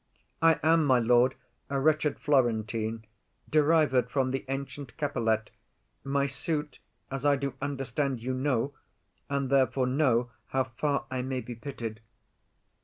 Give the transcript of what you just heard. I am, my lord, a wretched Florentine, Derived from the ancient Capilet; My suit, as I do understand, you know, And therefore know how far I may be pitied.